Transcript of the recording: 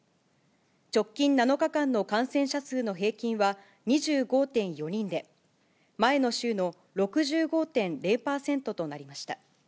直近７日間の感染者数の平均は２５．４人で、前の週の６５．０％となりました。